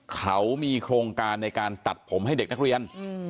เขามีโครงการในการตัดผมให้เด็กนักเรียน